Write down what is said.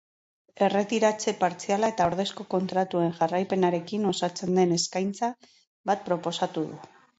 Erretiratze partziala eta ordezko kontratuen jarraipenarekin osatzen den eskaintza bat proposatu du.